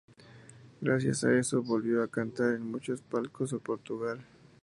Gracias a eso, volvió a cantar en muchos palcos de Portugal.